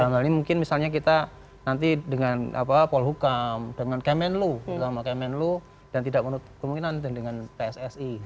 mungkin misalnya kita nanti dengan polhukam dengan kemenlu dan tidak menurut kemungkinan dengan pssi